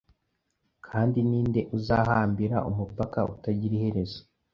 Kandi ninde uzahambira umupaka utagira iherezo?